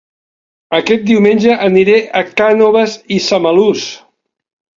Aquest diumenge aniré a Cànoves i Samalús